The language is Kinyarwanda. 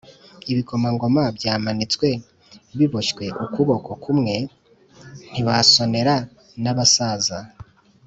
Ibikomangoma byamanitswe biboshywe ukuboko kumwe, Ntibasonera n’abasaza.